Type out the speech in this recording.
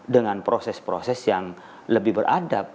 dengan proses proses yang lebih beradab